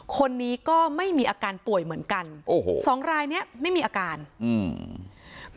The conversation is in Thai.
คนนี้ก็ไม่มีอาการป่วยเหมือนกันโอ้โหสองรายเนี้ยไม่มีอาการอืม